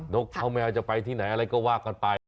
นกเขาไม่ว่าจะไปที่ไหนอะไรก็ว่ากันไป